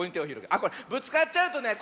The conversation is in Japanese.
あっこれぶつかっちゃうとねこわい